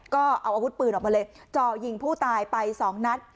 ก็เอาอาวุธปืนออกมาเลยจ่อยิงผู้ตายไปสองนัด